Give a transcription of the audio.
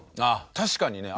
確かにね。